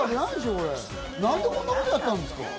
これ何でこんなことやったんですか。